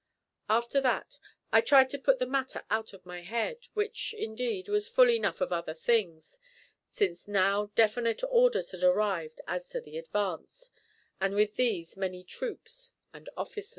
After that I tried to put the matter out of my head, which indeed was full enough of other things, since now definite orders had arrived as to the advance, and with these many troops and officers.